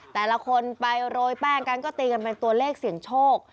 แต่ละคนไปโรยแป้งกันก็ตีกันเป็นตัวเลขเสี่ยงโชค